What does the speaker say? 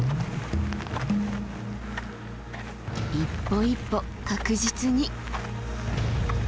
一歩一歩確実に。